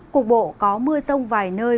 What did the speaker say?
cục bộ có mưa rông vài nơi